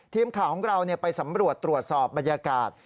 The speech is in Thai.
ทีมข่าวของเราไปสำรวจตรวจสอบบรรยากาศ